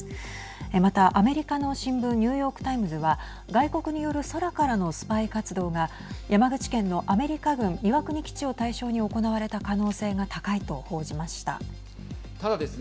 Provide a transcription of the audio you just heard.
また、アメリカの新聞ニューヨーク・タイムズは外国による空からのスパイ活動が山口県のアメリカ軍岩国基地を対象に行われたただですね